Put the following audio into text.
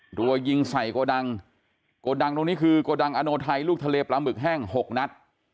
รัวยิงใส่โกดังโกดังตรงนี้คือโกดังอโนไทยลูกทะเลปลาหมึกแห้งหกนัด